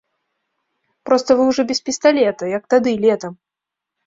Проста вы ўжо без пісталета, як тады, летам.